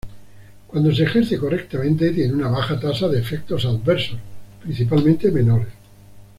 Cuando se ejerce correctamente, tiene una baja tasa de efectos adversos, principalmente menores.